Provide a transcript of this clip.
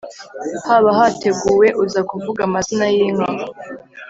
haba hateguwe uza kuvuga amazina y’inka,